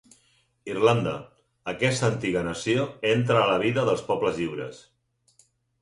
Irlanda: aquesta antiga nació entra a la vida dels pobles lliures.